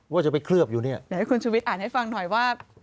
ว่าจะไปเคลือบอยู่เนี่ยเดี๋ยวให้คุณชุวิตอ่านให้ฟังหน่อยว่า